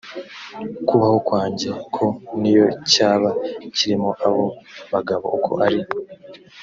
kubaho kwanjye ko niyo cyaba kirimo abo bagabo uko ari